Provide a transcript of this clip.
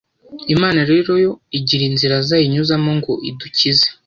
Imana rero yo igira inzira zayo inyuzamo ngo idukize.